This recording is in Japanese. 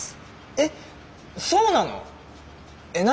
えっそうなの⁉え何？